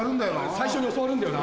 最初に教わるんだよな。